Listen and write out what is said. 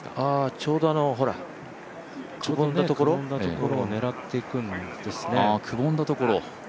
ちょうどあの、くぼんだところを狙っていくんですね。